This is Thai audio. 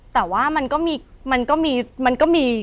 แต่ว่ามันก็มี